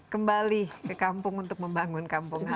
kembali ke kampung untuk membangun kampung halam